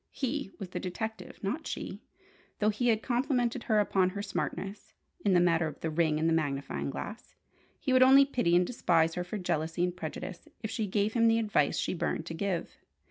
He was the detective, not she though he had complimented her upon her "smartness" in the matter of the ring and the magnifying glass. He would only pity and despise her for jealousy and prejudice if she gave him the advice she burned to give.